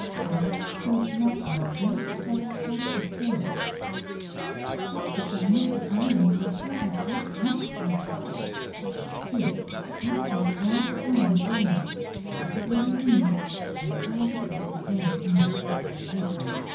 After her first lesson Dora felt quite discouraged. She had expected that Mr. Irons would show her at once how to play. Instead, he spent all the time telling her how to hold her fingers and how to keep the bow in the proper position.